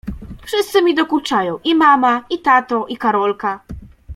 — Wszyscy mi dokuczają: i mama, i tato, i Karolka.